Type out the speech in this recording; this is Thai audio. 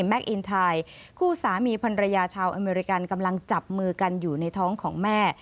อินไทยคู่สามีพันรยาชาวอเมริกันกำลังจับมือกันอยู่ในท้องของแม่